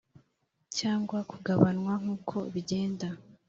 cyangwa kugabanywa nk uko bigenda